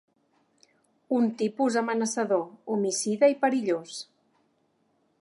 Un tipus amenaçador, homicida i perillós.